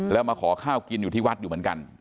แล้วมาขอข้าวกินอยู่ที่วัดอยู่เหมือนกัน